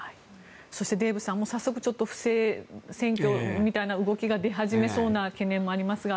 そしてデーブさん、早速不正選挙みたいな動きが出始めそうな懸念がありますが。